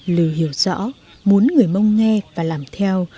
lừ hiểu rõ muốn người mong nghe và làm theo